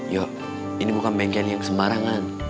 ya ini bukan bengkel yang sembarangan